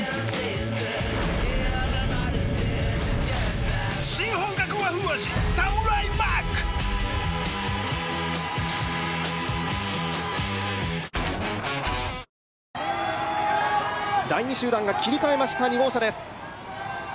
ハッハッハッハ第２集団が切り替えました、２号車です。